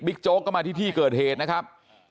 บิ๊กโจ๊กเข้ามาที่ที่เกิดเหตุนะครับ